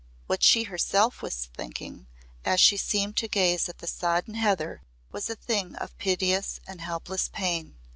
What she herself was thinking as she seemed to gaze at the sodden heather was a thing of piteous and helpless pain.